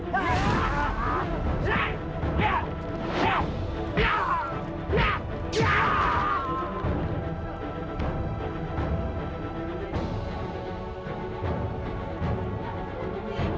kau di sini